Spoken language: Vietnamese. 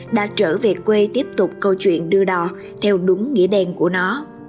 đã trở về quê tiếp tục câu chuyện đưa đò theo đúng nghĩa đen của nó